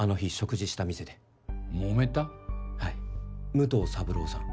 武藤三朗さん